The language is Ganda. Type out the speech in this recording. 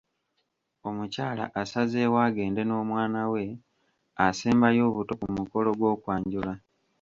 Omukyala asazeewo agende n'omwana we asembayo obuto ku mukolo gw'okwanjula.